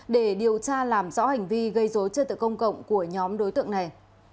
để điều tra làm rõ hành vi gây dối trật tự công cộng của nhóm đối tượng này